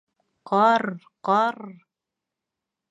— Ҡарр, ҡарр!